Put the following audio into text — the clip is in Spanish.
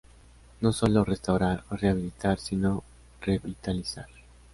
No sólo restaurar o rehabilitar, sino revitalizar.